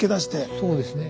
そうですね。